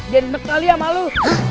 dia nekali sama lu